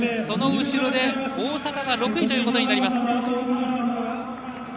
その後ろで大阪が６位ということになります。